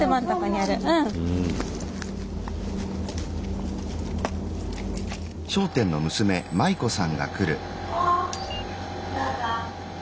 あどうぞ。